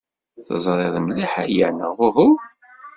Teẓriḍ mliḥ aya, neɣ uhu?